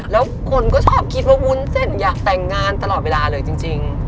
แล้วคนก็ชอบคิดว่าวุ้นเส้นอยากแต่งงานตลอดเวลาเลยจริง